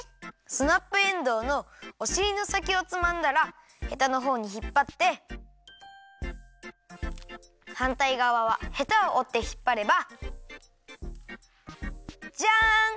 スナップエンドウのおしりのさきをつまんだらヘタのほうにひっぱってはんたいがわはヘタをおってひっぱればじゃん！